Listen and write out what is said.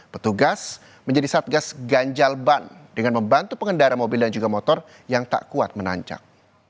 petugas menjadi satgas ganjal ban dengan membantu pengendara mobil dan juga motor yang tak kuat menanjak